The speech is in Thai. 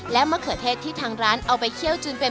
และมะเขือเทศที่ทางร้านเอาไปเคี่ยวจึงเป็น